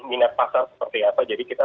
minat pasar seperti apa jadi kita